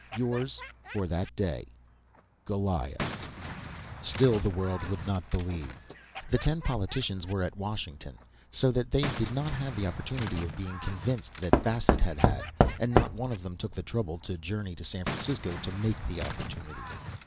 "Yours for that day, "GOLIAH." Still the world would not believe. The ten politicians were at Washington, so that they did not have the opportunity of being convinced that Bassett had had, and not one of them took the trouble to journey out to San Francisco to make the opportunity.